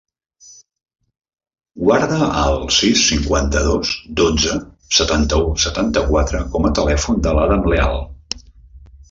Guarda el sis, cinquanta-dos, dotze, setanta-u, setanta-quatre com a telèfon de l'Adam Leal.